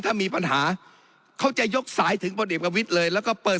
ถ้ามีปัญหาเขาจะยกสายถึงพลเอกประวิทย์เลยแล้วก็เปิด